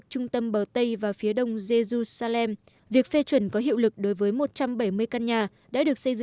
trong bài phát biểu đầu tiên trên truyền hình quốc gia